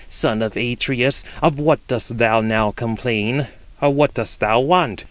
"Son of Atreus, of what dost thou now complain, or what dost thou want?